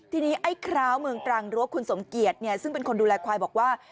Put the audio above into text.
ทีนี้ไอ้คร้าวเมืองตรังหรือว่าคุณสมเกียจซึ่งเป็นคนดูแลควายบอกว่า